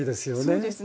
そうですね。